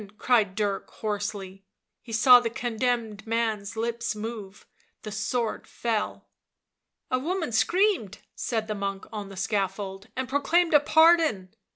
cried Dirk hoarsely; he saw the con demned man's lips move. The sword fell. ..." A woman screamed," said the monk on the scaffold, " and proclaimed a pardon."